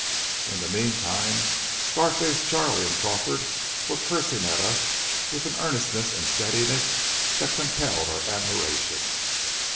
In the meantime Scar face Charley and Crawford were cursing at us with an earnestness and steadiness that compelled our admiration.